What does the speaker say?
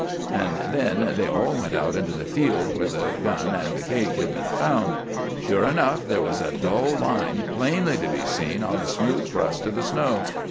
And then they all went out into the field where the gun and the cake had been found. Sure enough, there was a dull line plainly to be seen on the smooth crust of the snow.